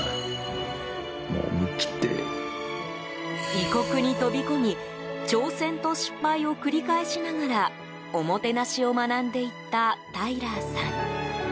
異国に飛び込み挑戦と失敗を繰り返しながらおもてなしを学んでいったタイラーさん。